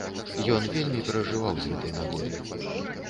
Ён вельмі перажываў з гэтай нагоды.